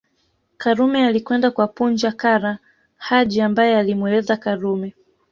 Karume alikwenda kwa Punja Kara Haji ambaye alimweleza Karume